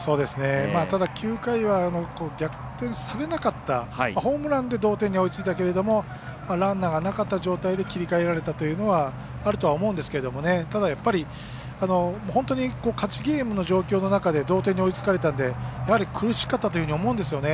ただ、９回は逆転されなかったホームランで同点に追いついたけれどもランナーがなかった状態で切り替えられたというのはあるとは思うんですけどただ、やっぱり本当に勝ちゲームの状況の中で同点に追いつかれたんで、やはり苦しかったというふうに思うんですよね。